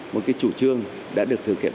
một cái chủ trương đã được thực hiện